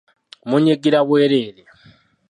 Munyiigira bwereere.